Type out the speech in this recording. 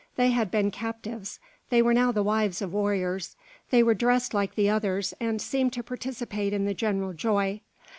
They had been captives; they were now the wives of warriors. They were dressed like the others, and seemed to participate in the general joy.